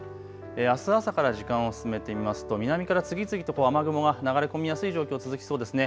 あす朝から時間を進めてみますと南から次々と雨雲が流れ込みやすい状況、続きそうですね。